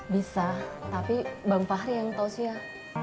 bisa tapi bang fahri yang tausiah